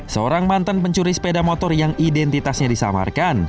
seorang mantan pencuri sepeda motor yang identitasnya disamarkan